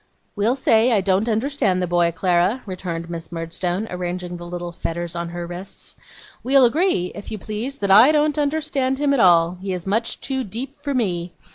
'We'll say I don't understand the boy, Clara,' returned Miss Murdstone, arranging the little fetters on her wrists. 'We'll agree, if you please, that I don't understand him at all. He is much too deep for me.